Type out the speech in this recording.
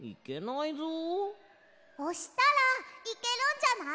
おしたらいけるんじゃない？